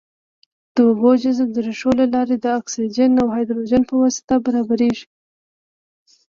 د اوبو جذب د ریښو له لارې د اکسیجن او هایدروجن په واسطه برابریږي.